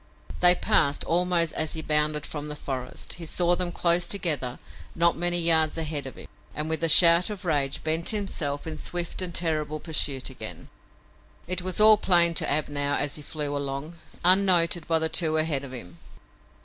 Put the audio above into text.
They passed, almost as he bounded from the forest. He saw them close together not many yards ahead of him and, with a shout of rage, bent himself in swift and terrible pursuit again. It was all plain to Ab now as he flew along, unnoted by the two ahead of him.